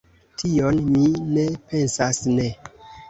Tion mi ne pensas, ne!